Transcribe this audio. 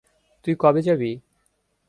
তুই কবে যাবি?